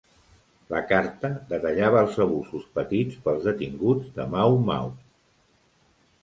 La carta detallava els abusos patits pels detinguts de Mau Mau.